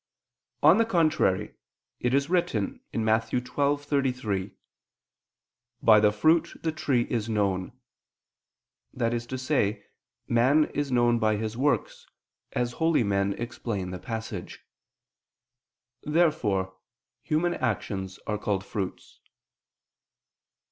On the contrary, It is written (Matt. 12:33): "By the fruit the tree is known"; that is to say, man is known by his works, as holy men explain the passage. Therefore human actions are called fruits.